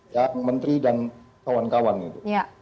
ya menteri dan kawan kawan gitu